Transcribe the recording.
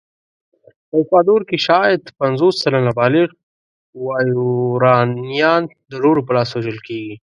په اکوادور کې شاید پنځوس سلنه بالغ وایورانيان د نورو په لاس وژل کېږي.